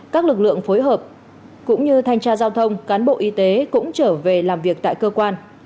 các lực lượng phối hợp cũng như thanh tra giao thông cán bộ y tế cũng trở về làm việc tại cơ quan